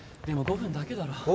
でも５分だけだろ？